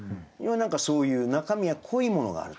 そういう中身が濃いものがあると。